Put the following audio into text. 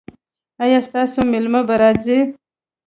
ایا ستاسو میلمه به راځي؟